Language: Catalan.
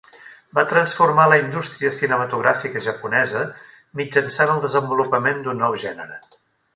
Va transformar la indústria cinematogràfica japonesa mitjançant el desenvolupament d'un nou gènere.